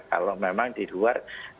kalau memang di luar